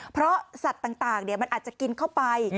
เพราะสัตว์ต่างมันอาจจะกินเข้าไป